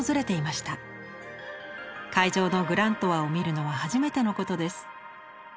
会場のグラントワを見るのは初めてのことです。